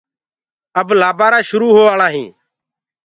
اب لآبآرآ شروُ هوآݪآ هينٚ۔